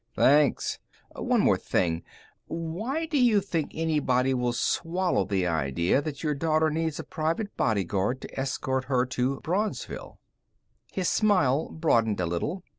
"Thanks. One more thing: why do you think anybody will swallow the idea that your daughter needs a private bodyguard to escort her to Braunsville?" His smile broadened a little.